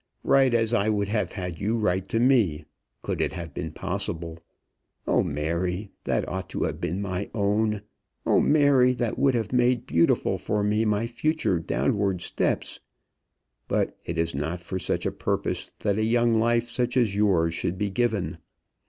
Write as I would have had you write to me, could it have been possible. O, Mary! that ought to have been my own! O, Mary! that would have made beautiful for me my future downward steps! But it is not for such a purpose that a young life such as yours should be given.